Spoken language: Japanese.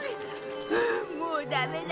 ううもうダメだ。